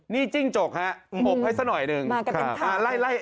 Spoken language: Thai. นี่จิ้งจกฮะอบให้ซะหน่อยหนึ่งมากันเป็นคันมาไล่ไล่